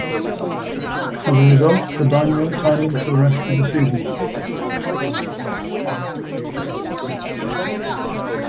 As a result, the Dynamo signed him for the rest of the season.